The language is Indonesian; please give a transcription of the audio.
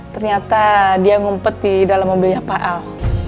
ternyata dia ngumpet di dalam mobilnya pak al